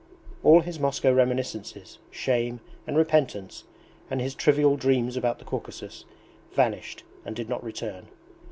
All his Moscow reminiscences, shame, and repentance, and his trivial dreams about the Caucasus, vanished and did not return.